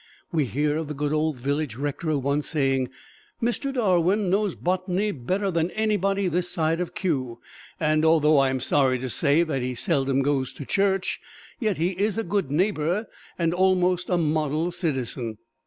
We hear of the good old village rector once saying, "Mr. Darwin knows botany better than anybody this side of Kew; and although I am sorry to say that he seldom goes to church, yet he is a good neighbor and almost a model citizen."